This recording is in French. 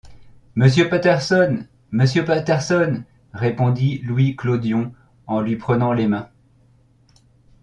Monsieur Patterson... monsieur Patterson... répondit Louis Clodion, en lui prenant les mains.